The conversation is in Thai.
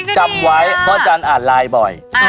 จับไว้พ่อจานอ่านไลน์บ่อย